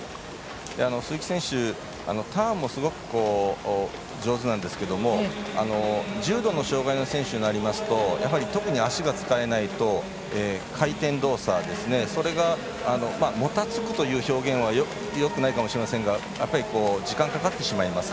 鈴木選手、ターンもすごく上手なんですけれども重度の障がいの選手になりますと特に足が使えないと回転動作がもたつくという表現はよくないかもしれませんが時間がかかってしまいます。